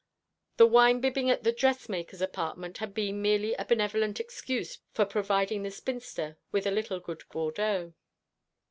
The wine bibbing at the dressmaker's apartment had been merely a benevolent excuse for providing the spinster with a little good Bordeaux.